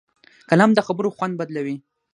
قلم د خبرو خوند بدلوي